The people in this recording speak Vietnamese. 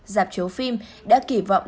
dạp triệu phim đã kỳ vọng